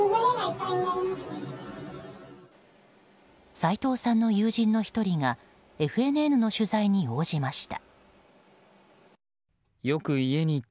斎藤さんの友人の１人がＦＮＮの取材に応じました。